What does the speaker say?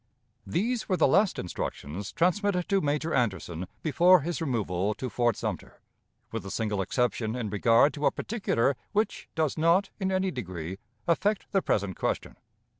These were the last instructions transmitted to Major Anderson before his removal to Fort Sumter, with a single exception in regard to a particular which does not, in any degree, affect the present question.